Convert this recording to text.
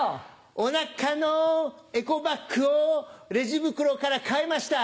おなかのエコバッグをレジ袋からかえました。